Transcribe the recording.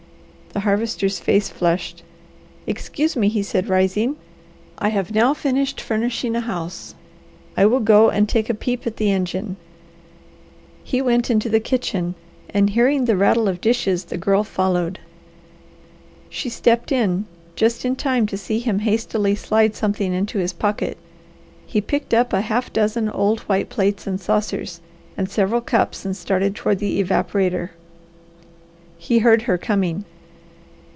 The Harvester's face flushed. "Excuse me," he said rising. "I have now finished furnishing a house; I will go and take a peep at the engine." He went into the kitchen and hearing the rattle of dishes the Girl followed. She stepped in just in time to see him hastily slide something into his pocket. He picked up a half dozen old white plates and saucers and several cups and started toward the evaporator. He heard her coming.